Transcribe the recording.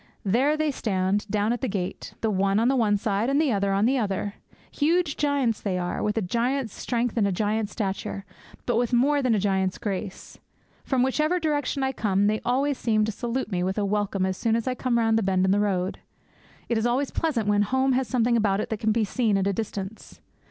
There they stand, down at the gate; the one on the one side, and the other on the other. Huge giants they are, with a giant's strength and a giant's stature, but with more than a giant's grace. From whichever direction I come, they always seem to salute me with a welcome as soon as I come round the bend in the road. It is always pleasant when home has something about it that can be seen at a distance.